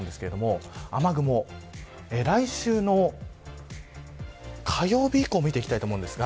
雨雲、来週の火曜日以降を見ていきます。